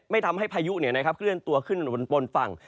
ทำให้พายุเคลื่อนตัวขึ้นบนฝั่ง